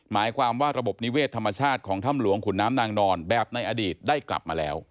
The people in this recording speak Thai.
หมายความว่าระบบนิเวศธรรมชาติของถ้ำหลวงขุนน้ำนางนอนแบบในอดีตได้กลับมาแล้ว